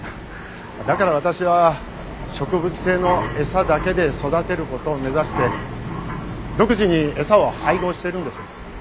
だから私は植物性の餌だけで育てる事を目指して独自に餌を配合しているんです。